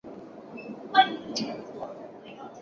它是继哈雷彗星后第二颗按推算时间重新出现的彗星。